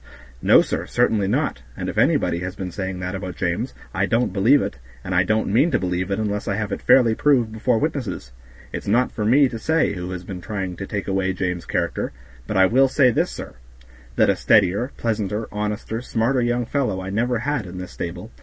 "No, sir, certainly not; and if anybody has been saying that about James, I don't believe it, and I don't mean to believe it unless I have it fairly proved before witnesses; it's not for me to say who has been trying to take away James' character, but I will say this, sir, that a steadier, pleasanter, honester, smarter young fellow I never had in this stable.